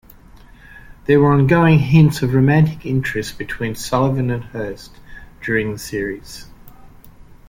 There were ongoing hints of romantic interest between Sullivan and Hurst during the series.